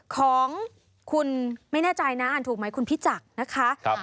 ของคุณไม่แน่ใจนะอ่านถูกไหมคุณพิจักรนะคะ